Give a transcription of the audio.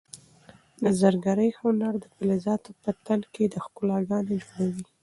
د زرګرۍ هنر د فلزاتو په تن کې د ښکلا ګاڼې جوړوي.